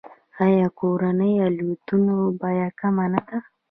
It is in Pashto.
آیا د کورنیو الوتنو بیه کمه نه ده؟